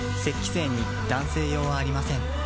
精に男性用はありません